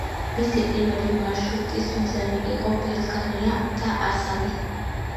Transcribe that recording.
მისი პირველი მარშრუტის მიზანი იყო ბენგალია და ასამი.